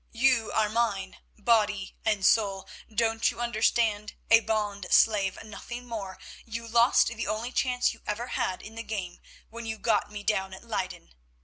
You are mine, body and soul, don't you understand; a bond slave, nothing more. You lost the only chance you ever had in the game when you got me down at Leyden.